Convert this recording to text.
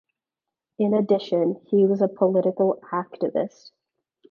In addition, he was a political activist.